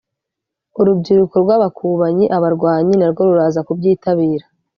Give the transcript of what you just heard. urubyiruko rw’abakubanyi (abarwanyi) narwo ruraza kubyitabira